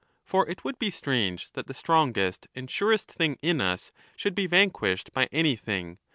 For it would be strange that the strongest and surest thing in us should be vanquished by anything.